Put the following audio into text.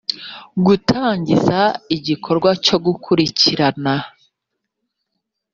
gutangiza igikorwa cyo gukurikirana